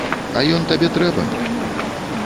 А ён табе трэба?